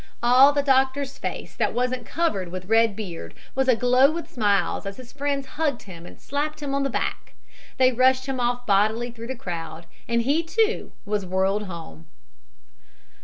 All the doctor's face that wasn't covered with red beard was aglow with smiles as his friends hugged him and slapped him on the back. They rushed him off bodily through the crowd and he too was whirled home.